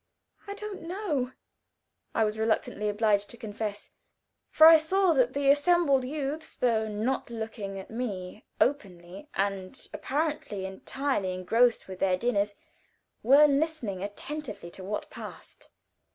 "I don't know," I was reluctantly obliged to confess, for I saw that the assembled youths, though not looking at me openly, and apparently entirely engrossed with their dinners, were listening attentively to what passed.